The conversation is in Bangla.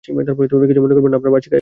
কিছু মনে করবেন না, আপনার বার্ষিক আয় কতো?